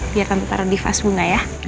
biar kami taruh di vas bunga ya